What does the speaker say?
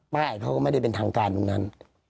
เขาก็ไม่ได้เป็นทางการตรงนั้น